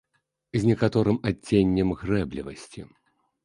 З некаторым адценнем грэблівасці.